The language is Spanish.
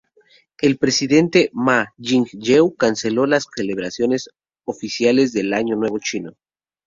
El presidente Ma Ying-jeou canceló las celebraciones oficiales del año nuevo chino.